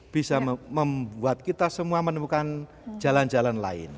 bisa membuat kita semua menemukan jalan jalan lain